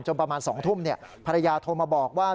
ประมาณ๒ทุ่มภรรยาโทรมาบอกว่า